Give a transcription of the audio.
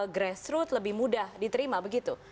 grassroot lebih mudah diterima begitu